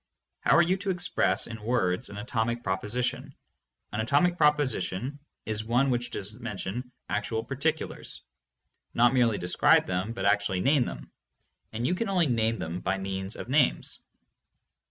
How are you to ex press in words an atomic proposition? An atomic propo sition is one which does mention actual particulars, not merely describe them but actually name them, and you can only name them by means of names.